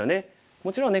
もちろんね